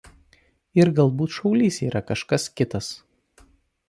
Ir galbūt šaulys yra kažkas kitas.